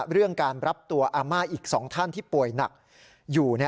เรื่องการรับตัวอาม่าอีก๒ท่านที่ป่วยหนักอยู่